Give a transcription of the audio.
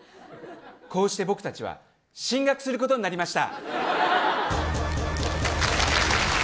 こうして僕たちは進学することになりました。